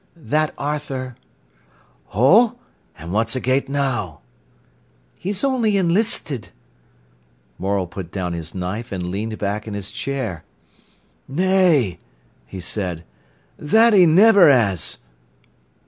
"That Arthur!" "Oh—an' what's agate now?" "He's only enlisted." Morel put down his knife and leaned back in his chair. "Nay," he said, "that he niver 'as!"